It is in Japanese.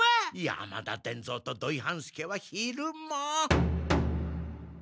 山田伝蔵と土井半助は昼間。